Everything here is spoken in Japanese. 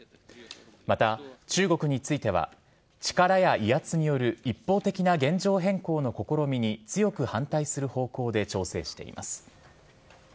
また、中国については力や威圧による一方的な現状変更の試みに強く反対する方向で調整しています。